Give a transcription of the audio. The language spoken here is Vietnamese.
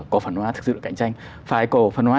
cổ phần hóa thực sự là cạnh tranh phải cổ phần hóa